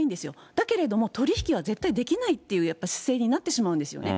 だけれども、取り引きは絶対できないっていうやっぱり姿勢になってしまうんですよね。